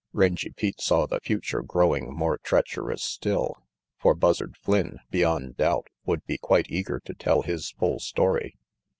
Rangy Pete saw the future growing more treach erous still. For Buzzard Flynn, beyond doubt, would be quite eager to tell his full story.